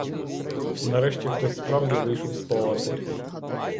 Нарешті, хтось справді вийшов з палати.